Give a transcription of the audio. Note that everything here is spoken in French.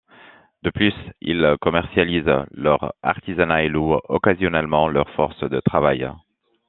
De plus, ils commercialisent leur artisanat et louent occasionnellement leur force de travail.